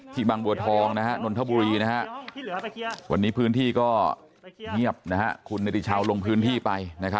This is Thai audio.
ที่บางบัวทองนะฮะ